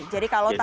jadi kalau tadi